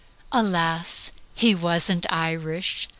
Alas, he wasn't Irish.